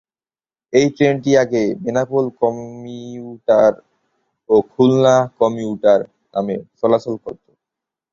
এই ট্রেনটি আগে বেনাপোল কমিউটার ও খুলনা কমিউটার নামে চলাচল করতো।